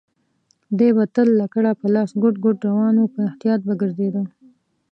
دی به تل لکړه په لاس ګوډ ګوډ روان و، په احتیاط به ګرځېده.